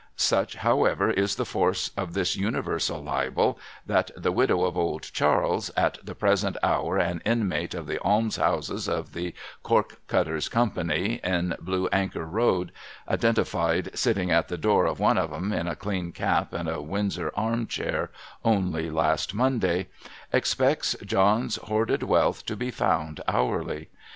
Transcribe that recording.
Such, however, is the force of this universal hbel, that the widow of Old Charles, at the present hour an inmate of the Almshouses of the Cork Cutters' Company, in Blue Anchor road (identified sitting at the door of one of 'em, in a clean cap and a 334 SOMEBODY'S LUGGAGE Windsor arm chair, only last Monday), expects John's hoarded wealth to be found hourly